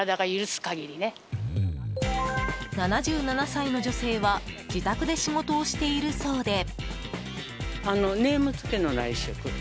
７７歳の女性は自宅で仕事をしているそうで。